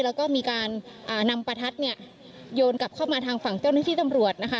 แล้วก็มีการนำประทัดเนี่ยโยนกลับเข้ามาทางฝั่งเจ้าหน้าที่ตำรวจนะคะ